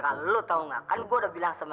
lo selalu ngerti natomiast nya